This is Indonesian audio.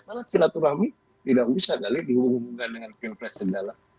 malah silaturahmi tidak usah gali dihubungkan dengan pilpres sendala